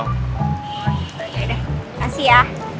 terima kasih ya